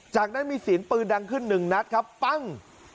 จากนั้นมีฝีนปืนดังขึ้น๑นัดครับปั้ง